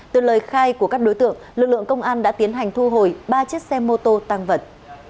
từ lời khai của các đối tượng lực lượng công an đã tiến hành thu hồi ba chiếc xe mô tô tăng vật